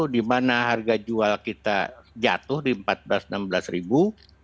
di mana harga jual kita jatuh di empat belas enam belas ribu